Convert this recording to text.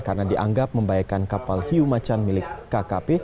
karena dianggap membaikan kapal hiu macan milik kkp